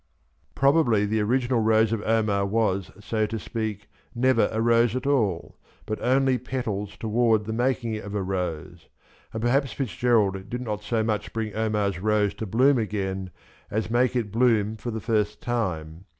Probably the original rose of Omar was^ so to speaky never a rose at ally but only petals toward the making of a rose; and per haps FitzGerald did not so much bring Omars rose to bloom again ^ as make it bloom for the first time.